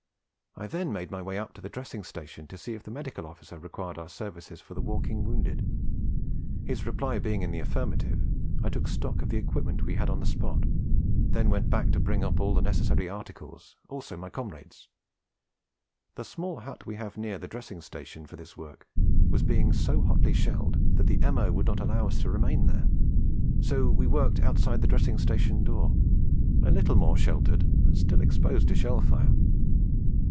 I then made my way up to the dressing station to see if the Medical Officer required our services for the walking wounded. His reply being in the affirmative, I took stock of the equipment we had on the spot, then went back to bring up all necessary articles, also my comrades. The small hut we have near the dressing station for this work was being so hotly shelled that the M.O. would not allow us to remain there, so we worked outside the dressing station door, a little more sheltered, but still exposed to shell fire.